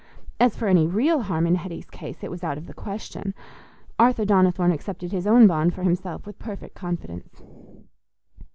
As for any real harm in Hetty's case, it was out of the question: Arthur Donnithorne accepted his own bond for himself with perfect confidence.